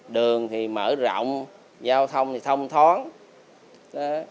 đường thì mở rộng giao thông thì thông thoáng